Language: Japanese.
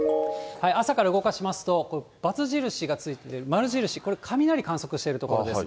朝から動かしますと、×印がついている、丸印、これ、雷観測している所です。